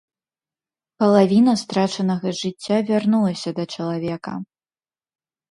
Палавіна страчанага жыцця вярнулася да чалавека.